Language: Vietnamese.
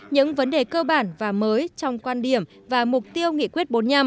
những vấn đề cơ bản và mới trong quan điểm và mục tiêu nghị quyết bốn mươi năm